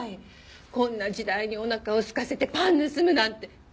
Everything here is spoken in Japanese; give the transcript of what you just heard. こんな時代におなかをすかせてパン盗むなんて。